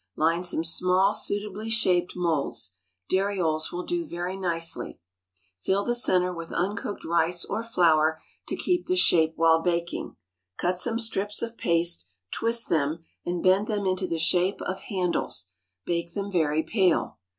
Line some small suitably shaped moulds (darioles will do very nicely); fill the centre with uncooked rice or flour to keep the shape while baking; cut some strips of paste, twist them, and bend them into the shape of handles; bake them very pale.